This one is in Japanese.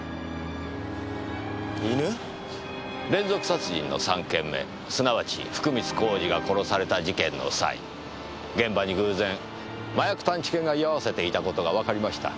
連続殺人の３件目すなわち福光公次が殺された事件の際現場に偶然麻薬探知犬が居合わせていた事がわかりました。